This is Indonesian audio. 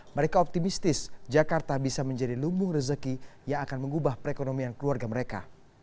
mereka optimistis jakarta bisa menjadi lumbung rezeki yang akan mengubah perekonomian keluarga mereka